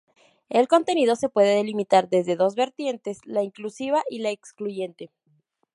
El contenido se puede delimitar desde dos vertientes: la inclusiva y la excluyente.